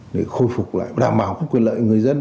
để khôi phục lại đảm bảo quyền lợi người dân